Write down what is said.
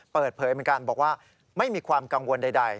เปิดเผยเหมือนกันบอกว่าไม่มีความกังวลใด